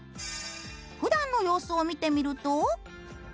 ふだんの様子を見てみると。